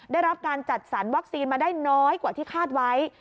ได้รับการจัดสรรวัคซีนมาได้น้อยกว่าที่คาดไว้